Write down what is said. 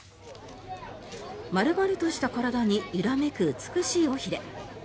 丸々とした体に揺らめく美しい尾ひれ。